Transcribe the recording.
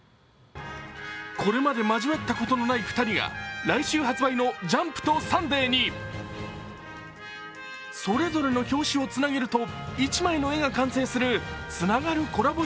これまで交わったことのない２人が来週発売の「ジャンプ」と「サンデー」にそれぞれの表紙をつなげると一枚の絵が完成する、つながるコラボ